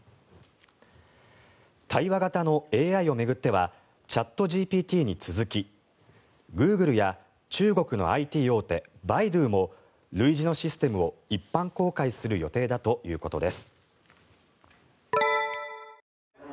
対話型のＡＩを巡ってはＣｈａｔＧＰＴに続きグーグルや中国のＩＴ大手バイドゥも類似のシステムを一般公開する予定だということです。